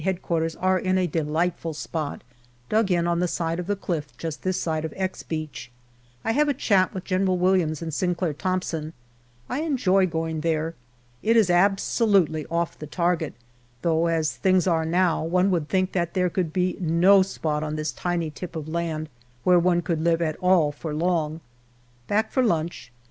Q. are in a delightful spot, dug in on the side of the cliff just this side of " X " Beach. I have a chat with General Williams and Sinclair Thompson. I enjoy going there. It is absolutely off the target, though, as things are now, one would think that there could be no spot on this tiny tip of land where one could live at all for long. Back for lunch.